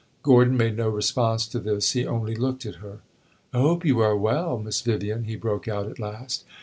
Gordon made no response to this; he only looked at her. "I hope you are well, Miss Vivian," he broke out at last.